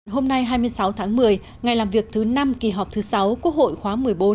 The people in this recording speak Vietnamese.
hôm nay hai mươi sáu tháng một mươi ngày làm việc thứ năm kỳ họp thứ sáu quốc hội khóa một mươi bốn